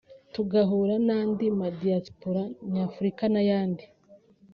tugahura n’andi ma Diaspora Nyafurika n’abandi